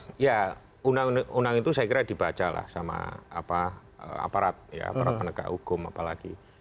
ya undang undang itu saya kira dibaca lah sama aparat ya aparat penegak hukum apalagi